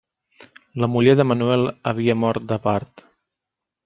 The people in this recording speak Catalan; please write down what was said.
La muller de Manuel havia mort de part.